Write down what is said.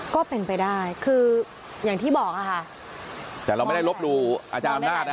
ก็เป็นไปได้คืออย่างที่บอกอะค่ะแต่เราไม่ได้ลบหลู่อาจารย์อำนาจนะ